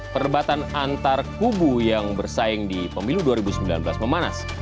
perdebatan antar kubu yang bersaing di pemilu dua ribu sembilan belas memanas